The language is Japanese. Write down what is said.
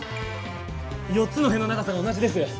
４つの辺の長さが同じです。